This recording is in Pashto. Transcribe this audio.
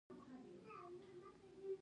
خصوصي بانکونه سوداګریز دي